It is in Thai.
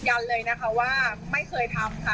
ยันเลยนะคะว่าไม่เคยทำค่ะ